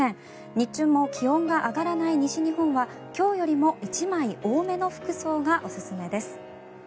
日中も気温が上がらない西日本は今日よりも１枚多めの服装がおすすめです。